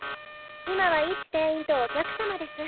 今は一店員とお客様です。